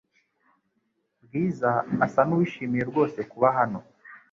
Bwiza asa nuwishimiye rwose kuba hano .